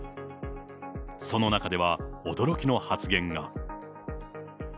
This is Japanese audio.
その中では驚きの発言が。